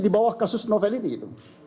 di bawah kasus novel ini gitu